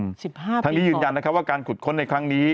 ๑๕ปีก่อนทางนี้ยืนยันนะครับว่าการขุดค้นในครั้งนี้